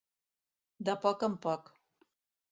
De poc en poc.